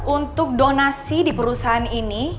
untuk donasi di perusahaan ini